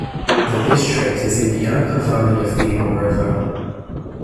The district is in the upper valley of the Ing River.